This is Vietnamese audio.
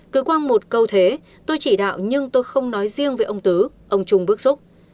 cứ quang một câu thế tôi chỉ đạo nhưng tôi không nói riêng với ông tứ ông trung bức xúc